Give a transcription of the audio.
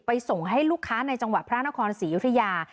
ส่งให้ลูกค้าในจังหวัดพระนครศรียุธยา